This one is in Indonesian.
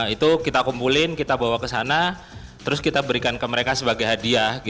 itu kita kumpulin kita bawa ke sana terus kita berikan ke mereka sebagai hadiah